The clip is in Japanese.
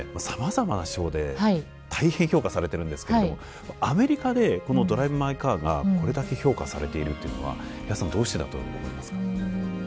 さまざまな賞で大変評価されてるんですけれどもアメリカでこの「ドライブ・マイ・カー」がこれだけ評価されているというのは部谷さんどうしてだと思いますか？